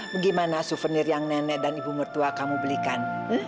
bagaimana souvenir yang nenek dan ibu mertua kamu belikan